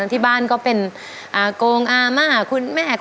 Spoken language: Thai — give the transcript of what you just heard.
สึกที่อยากเล่นไว้มากมั้ง